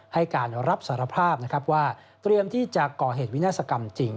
ให้การรับสารภาพนะครับว่าเตรียมที่จะก่อเหตุวินาศกรรมจริง